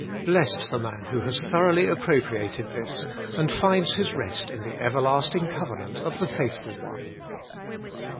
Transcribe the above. Blessed the man who has thoroughly appropriated this, and finds his rest in the everlasting covenant of the Faithful One!